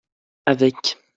avec.